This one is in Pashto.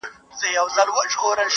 په ځنځیر د دروازې به هسي ځان مشغولوینه!